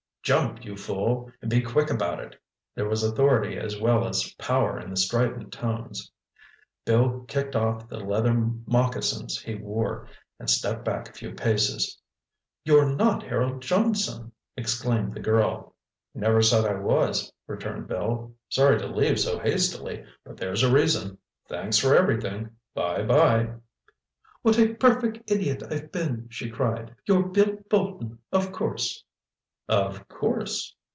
"Jump, you fool—and be quick about it." There was authority as well as power in the strident tones. Bill kicked off the leather moccasins he wore, and stepped back a few paces. "You're not Harold Johnson!" exclaimed the girl. "Never said I was," returned Bill. "Sorry to leave so hastily. But there's a reason. Thanks for everything—bye bye!" "What a perfect idiot I've been!" she cried. "You're Bill Bolton, of course." "Of course!"